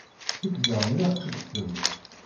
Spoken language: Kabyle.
Ssikkdeɣ mliḥ deg-sent.